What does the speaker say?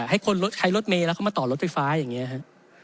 ให้คนใช้รถเมย์แล้วเข้ามาต่อรถไฟฟ้าอย่างนี้ครับ